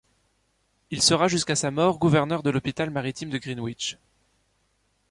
Il sera jusqu’à sa mort, gouverneur de l’hôpital maritime de Greenwich.